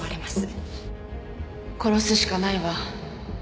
殺すしかないわ。